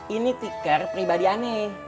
ini tikar pribadi aneh